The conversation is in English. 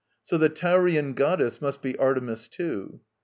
So the Taurian goddess must be Artemis too.